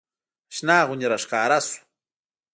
اشنا غوندې راښکاره سو.